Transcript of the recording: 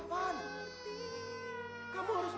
kamu ini kenapa sih